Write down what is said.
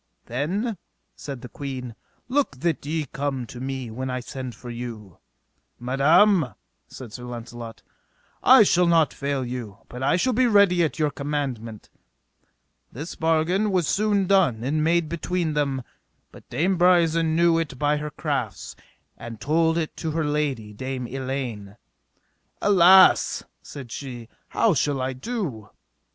Then, said the queen, look that ye come to me when I send for you. Madam, said Launcelot, I shall not fail you, but I shall be ready at your commandment. This bargain was soon done and made between them, but Dame Brisen knew it by her crafts, and told it to her lady, Dame Elaine. Alas, said she, how shall I do?